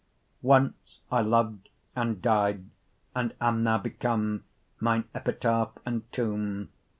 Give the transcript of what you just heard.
Once I lov'd and dy'd; and am now become Mine Epitaph and Tombe.